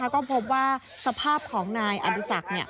ก็พบว่าสภาพของนายอดิสัก